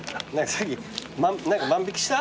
さっき何か万引した？